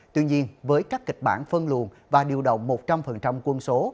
tuy nhiên với các kịch bản phân luồn và điều động một trăm linh quân số